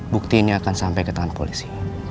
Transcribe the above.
buktinya akan sampai ke tangan polisi